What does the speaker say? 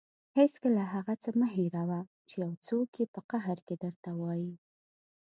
هېڅکله هغه څه مه هېروه چې یو څوک یې په قهر کې درته وايي.